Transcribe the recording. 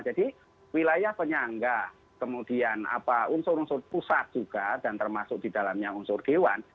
jadi wilayah penyangga kemudian unsur unsur pusat juga dan termasuk di dalamnya unsur dewan